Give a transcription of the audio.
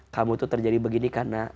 kamu itu terjadi begini karena